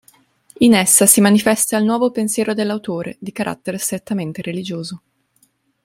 In essa si manifesta il nuovo pensiero dell'autore, di carattere strettamente religioso.